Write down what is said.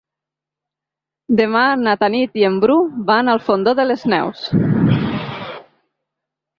Demà na Tanit i en Bru van al Fondó de les Neus.